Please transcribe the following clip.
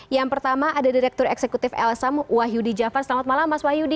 yang pertama ada direktur eksekutif elsam wahyudi jafar selamat malam mas wahyudi